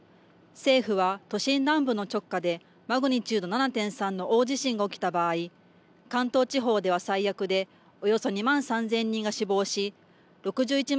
政府は都心南部の直下でマグニチュード７．３の大地震が起きた場合、関東地方では最悪でおよそ２万３０００人が死亡し６１万